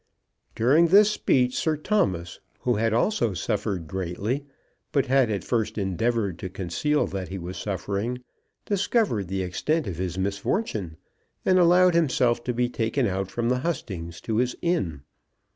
During this speech Sir Thomas, who had also suffered greatly, but had at first endeavoured to conceal that he was suffering, discovered the extent of his misfortune, and allowed himself to be taken out from the hustings to his inn.